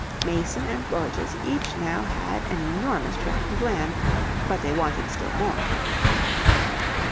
Mason and Gorges each now had an enormous tract of land, but they wanted still more.